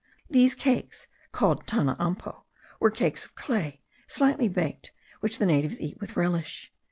These cakes called tanaampo, were cakes of clay, slightly baked, which the natives eat with relish.